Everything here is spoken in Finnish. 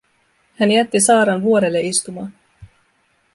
Hän jätti Saaran vuorelle istumaan.